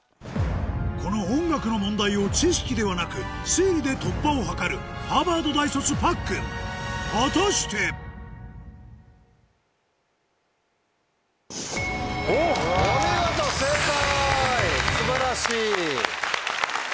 この音楽の問題を知識ではなく推理で突破を図るハーバード大卒パックン果たして⁉お見事正解！